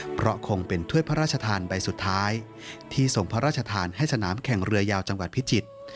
เพราะคงเป็นถ้วยพระราชทานใบสุดท้ายที่ส่งพระราชทานให้สนามแข่งเรือยาวจังหวัดพิจิตร